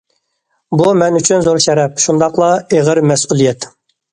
بۇ مەن ئۈچۈن زور شەرەپ، شۇنداقلا ئېغىر مەسئۇلىيەت.